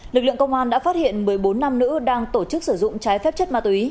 lực lượng công an đã phát hiện một mươi bốn nam nữ đang tổ chức sử dụng trái phép chất ma túy